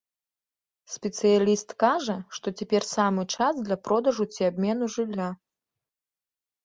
Спецыяліст кажа, што цяпер самы час для продажу ці абмену жылля.